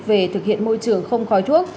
về thực hiện môi trường không khói thuốc